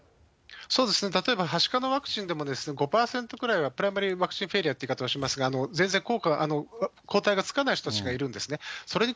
そうですね、例えばはしかのワクチンでも５％ぐらいはプライマリーワクチンフィーリアっていうんですが、全然抗体がつかない人たちがいるんですね。